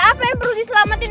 apa yang perlu diselamatin